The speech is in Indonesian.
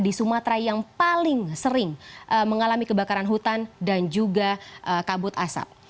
di sumatera yang paling sering mengalami kebakaran hutan dan juga kabut asap